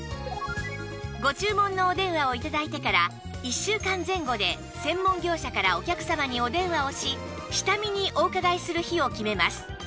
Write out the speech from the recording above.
ご注文のお電話を頂いてから１週間前後で専門業者からお客様にお電話をし下見にお伺いする日を決めます